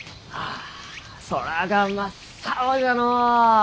あ空が真っ青じゃのう！